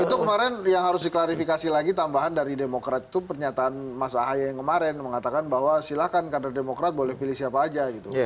itu kemarin yang harus diklarifikasi lagi tambahan dari demokrat itu pernyataan mas ahaye yang kemarin mengatakan bahwa silahkan kader demokrat boleh pilih siapa aja gitu